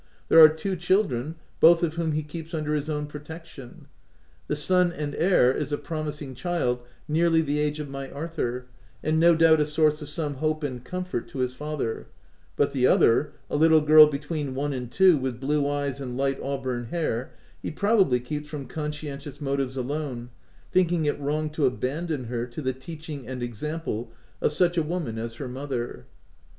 There are two children, both of whom he keeps under his own protection. The son and heir is a promising child nearly the age of my Arthur, and no doubt a source of some hope and comfort to his father ; but the other, a little girl between one and two, with blue eyes and light auburn hair, he probably keeps from consciencious motives alone, thinking it wrong to abandon her to the teaching and example of such a woman as her mother.